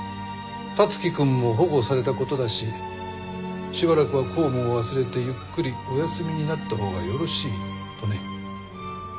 樹くんも保護された事だししばらくは公務を忘れてゆっくりお休みになったほうがよろしいとね。